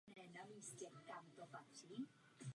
Bylo zde mnoho zvláštních ustanovení.